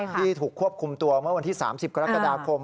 ที่ถูกควบคุมตัวเมื่อวันที่๓๐กรกฎาคม